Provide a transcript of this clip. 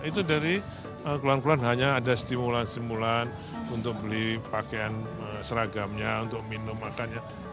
itu dari keluhan keluhan hanya ada stimulan stimulan untuk beli pakaian seragamnya untuk minum makannya